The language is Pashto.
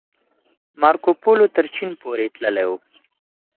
مارکوپولو تر چين پورې تللی و.